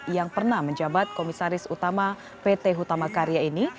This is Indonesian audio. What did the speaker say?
yang pernah menjabat komisaris utama pt hutama karya ini